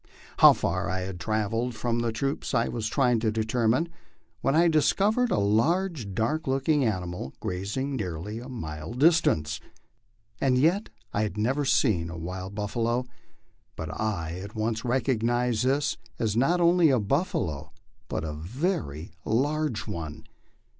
How far I had travelled from the troops I was trying to determine, when I discovered a large, dark looking ani mal grazing nearly a mile distant. As yet I had never seen a wild buffalo, but I at once recognized this as not only a buffalo, but a very large one.